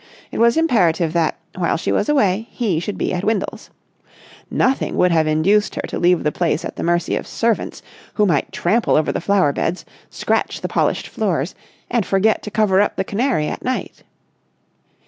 It was imperative that, while she was away, he should be at Windles. Nothing would have induced her to leave the place at the mercy of servants who might trample over the flowerbeds, scratch the polished floors, and forget to cover up the canary at night.